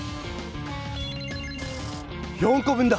４こ分だ！